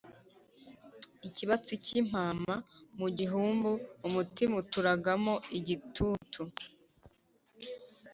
Ikibatsi kimpama mu gihumbi Umutima uturagaramo igitutu.